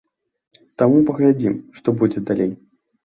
Таму паглядзім, што будзе далей.